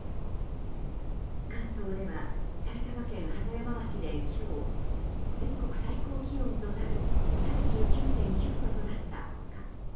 関東では埼玉県鳩山町で今日全国最高気温となる３９．９度となった他